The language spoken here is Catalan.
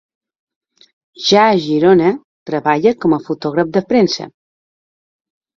Ja a Girona, treballa com a fotògraf de premsa.